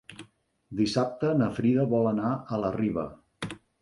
Dissabte na Frida vol anar a la Riba.